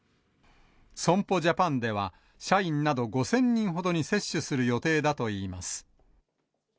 損保ジャパンでは、社員など５０００人ほどに接種する予定だといいます。